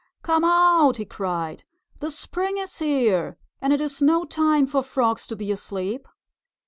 "Come out!" he cried. "The spring is here, and it is no time for Frogs to be asleep."